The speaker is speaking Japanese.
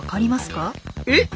えっ？